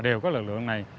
đều có lực lượng này